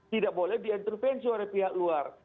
tidak boleh di intervensi oleh pihak luar